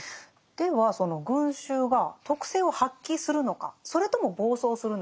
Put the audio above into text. ではその群衆が徳性を発揮するのかそれとも暴走するのか。